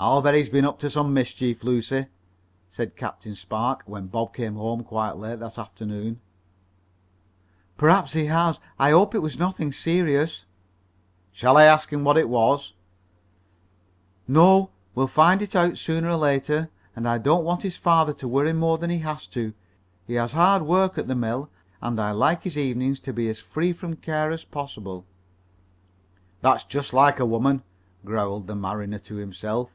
"I'll bet he's been up to some mischief, Lucy," said Captain Spark when Bob came home quite late that afternoon. "Perhaps he has. I hope it was nothing serious." "Shall I ask him what it was?" "No, we'll find it out sooner or later, and I don't want his father to worry more than he has to. He has hard work at the mill, and I like his evenings to be as free from care as possible." "That's just like a woman," growled the mariner to himself.